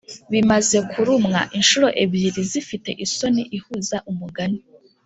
bimaze kurumwa, inshuro ebyiri zifite isoni ihuza umugani